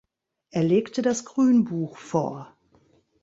Er legte das Grünbuch vor.